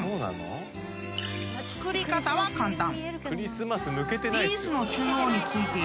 ［作り方は簡単］